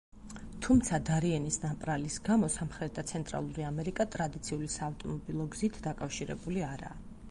თუმცა, დარიენის ნაპრალის გამო, სამხრეთი და ცენტრალური ამერიკა ტრადიციული საავტომობილო გზით დაკავშირებული არაა.